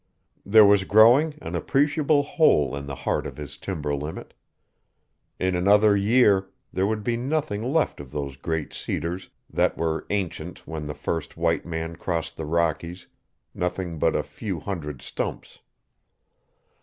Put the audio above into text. There was growing an appreciable hole in the heart of his timber limit. In another year there would be nothing left of those great cedars that were ancient when the first white man crossed the Rockies, nothing but a few hundred stumps.